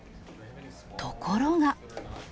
ところが。